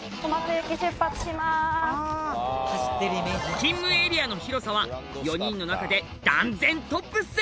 勤務エリアの広さは４人の中で断然トップっす！